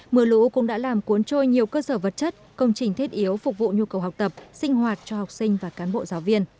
mưa lũ cũng đã làm cuốn trôi nhiều cơ sở vật chất công trình thiết yếu phục vụ nhu cầu học tập sinh hoạt cho học sinh và cán bộ giáo viên